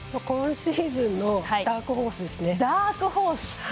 今シーズンのダークホースですね。